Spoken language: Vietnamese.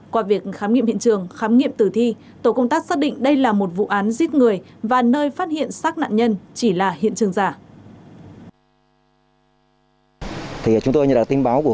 qua việc khám nghiệm hiện trường khám nghiệm tử thi tổ công tác xác định đây là một vụ án giết người và nơi phát hiện xác nạn nhân chỉ là hiện trường giả